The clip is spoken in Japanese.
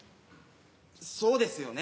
そうですよね。